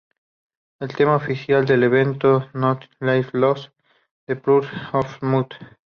El tema oficial del evento fue ""Nothing Left to Lose"" de Puddle of Mudd.